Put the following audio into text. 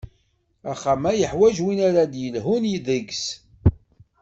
Axxam-a yeḥwaǧ win ara ad d-yelhun deg-s.